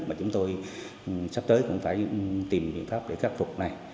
mà chúng tôi sắp tới cũng phải tìm biện pháp để khắc phục này